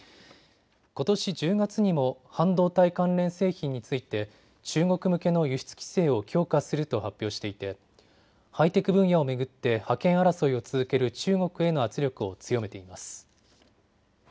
ことし１０月にも半導体関連製品について中国向けの輸出規制を強化すると発表していてハイテク分野を巡って覇権争いを続ける中国への圧力を強めています。